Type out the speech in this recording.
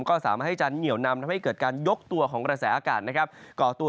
ก็สามารถให้จะเหนี่ยวนำ